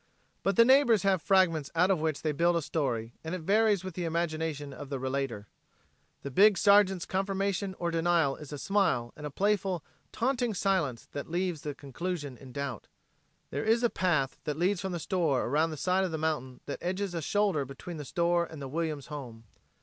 But the neighbors have fragments out of which they build a story, and it varies with the imagination of the relator. The big Sergeant's confirmation or denial is a smile and a playful, taunting silence that leaves conclusion in doubt. There is a path that leads from the store around the side of the mountain that edges a shoulder between the store and the Williams home.